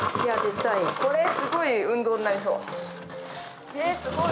これ、すごい運動になりそう。